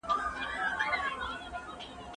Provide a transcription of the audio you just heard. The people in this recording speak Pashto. ایا ستا په زړه کي د اخیرت د بریا پوره هیله سته؟